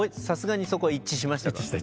さすがにそこは一致しましたか？